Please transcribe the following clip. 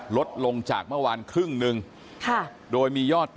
ลดลงจากเมื่อวานครึ่งหนึ่งค่ะโดยมียอดติด